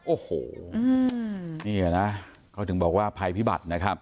โอ้โหนี่นะเขาถึงบอกว่าภัยพิบัตินะครับ